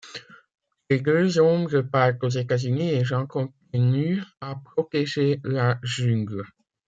Les deux hommes repartent aux États-Unis et Jann continue à protéger la jungle.